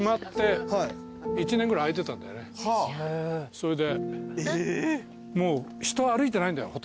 それで。